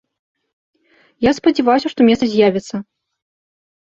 Я спадзяваўся, што месца з'явіцца.